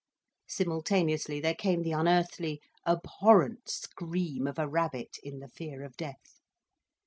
Simultaneously, there came the unearthly abhorrent scream of a rabbit in the fear of death.